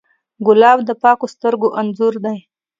ګلاب د پاکو سترګو انځور دی.